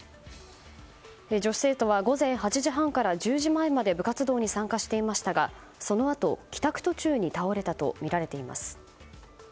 女子生徒は午前８時半から１０時前まで部活動に参加していましたがそのあと、帰宅途中に倒れたとみられています。